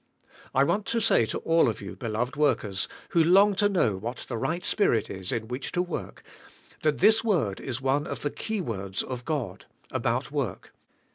I want to say to all of you, beloved work ers, who long to know what the right spirit is in which to work, that this word is one of the key words of God, about work.